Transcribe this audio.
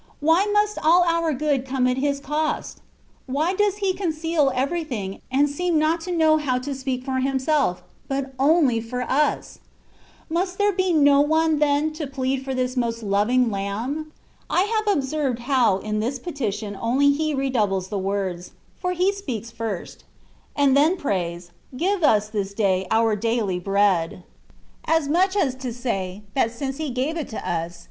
Why must all our good come at His cost ? Why does He conceal everything, and seem not to know how to sp%ak for himself, but only for us ? Must there be no one, then, to plead for this most loving Lamb ? I have observed how in this petition only He redoubles the words^ for He speaks firsts and then THE WAY OF PERFECTION. 169 « prays, ^^ Give us this day oiir daily bread/' As much as to say, that since He gave it to us.